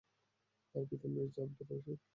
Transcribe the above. তার পিতা মির্জা আব্দুর রশিদ।